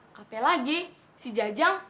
sampai lagi si jajang